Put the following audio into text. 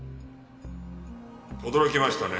驚きましたね。